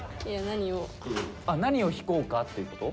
あ何を弾こうかっていうこと？